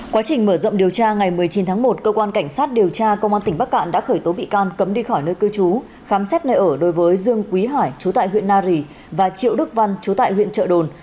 quá trình mở rộng điều tra ngày một mươi chín tháng một cơ quan cảnh sát điều tra công an tỉnh bắc cạn đã khởi tố bị can cấm đi khỏi nơi cư trú khám xét nơi ở đối với dương quý hải chú tại huyện nari và triệu đức văn chú tại huyện trợ đồn